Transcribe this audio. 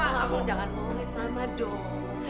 mama kamu jangan bolehin mama dong